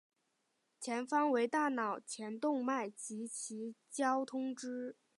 前方为大脑前动脉及其交通支。